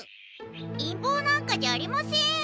陰謀なんかじゃありません。